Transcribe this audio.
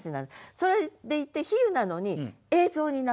それでいて比喩なのに映像になっている。